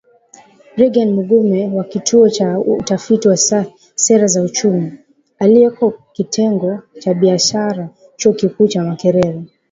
Reagan Mugume wa Kituo cha Utafiti wa Sera za Uchumi, aliyeko Kitengo cha Biashara Chuo Kikuu cha Makerere